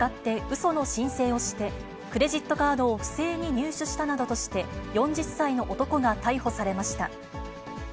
その申請をして、クレジットカードを不正に入手したなどとして、４０歳の男が逮捕されました。